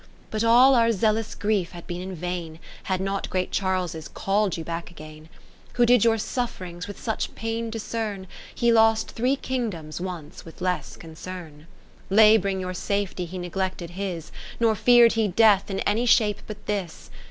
But all our zealous grief had been in vain. Had not great Charles's call'd you back again : Who did your sufPrings with such pain discern. He lost three Kingdoms once with less concern. ao Lab'ring your safety he neglected his, Nor fear'd he death in any shape but this.